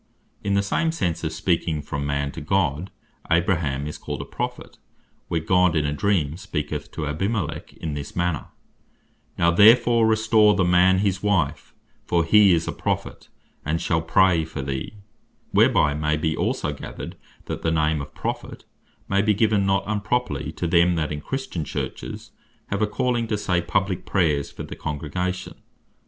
In the sense of speaking from man to God, Abraham is called a Prophet (Genes. 20.7.) where God in a Dream speaketh to Abimelech in this manner, "Now therefore restore the man his wife, for he is a Prophet, and shall pray for thee;" whereby may be also gathered, that the name of Prophet may be given, not unproperly to them that in Christian Churches, have a Calling to say publique prayers for the Congregation.